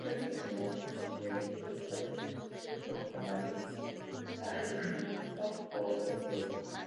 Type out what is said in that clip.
Tras pensamientos coincidentes de los presentes, se optó por llamarlo Sarmiento Football Club.